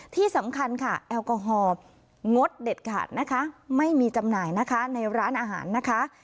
ที่สำคัญค่ะแอลกอฮอลองดเด็ดขาดนะคะไม่มีจำหน่ายนะคะในร้านอาหารนะคะ